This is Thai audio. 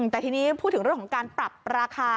แต่ทีนี้พูดถึงเรื่องของการปรับราคา